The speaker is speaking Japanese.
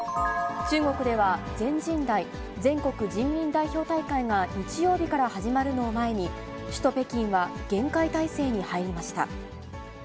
中国では全人代・全国人民代表大会が日曜日から始まるのを前に、首都北京は厳戒態勢に入りました。